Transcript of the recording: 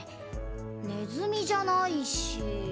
ネズミじゃないし。